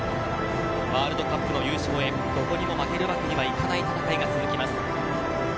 ワールドカップ優勝へどこにも負けるわけにはいかない戦いが続きます。